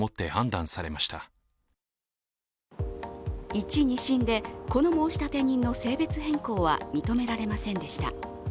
１・２審で、この申立人の性別変更は認められませんでした。